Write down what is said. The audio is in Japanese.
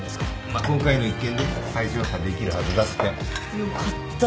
まあ今回の一件で再調査できるはずだって。